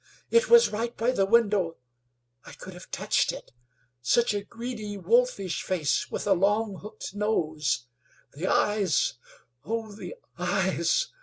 "It was right by the window. I could have touched it. Such a greedy, wolfish face, with a long, hooked nose! The eyes, oh! the eyes!